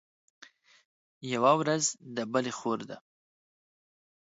يوه ورځ د بلي خور ده.